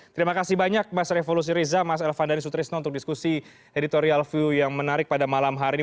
terima kasih banyak mas revolusi riza mas elvan dhani sutrisno untuk diskusi editorial view yang menarik pada malam hari ini